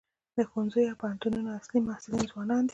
د ښوونځیو او پوهنتونونو اصلي محصلین ځوانان دي.